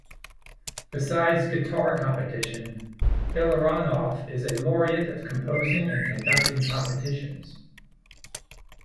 Besides guitar competition, Illarionov is a laureate of composing and conducting competitions.